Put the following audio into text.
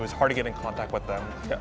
dan susah untuk berhubung dengan mereka